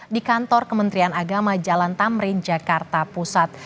di kantor kementerian agama jalan tamrin jakarta pusat